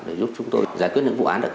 để giúp chúng tôi giải quyết những vụ án